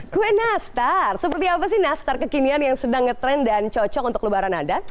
kue nastar seperti apa sih nastar kekinian yang sedang ngetrend dan cocok untuk lebaran anda